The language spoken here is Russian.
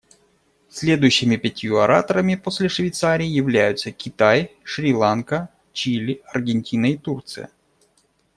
Следующими пятью ораторами после Швейцарии являются: Китай, Шри-Ланка, Чили, Аргентина и Турция.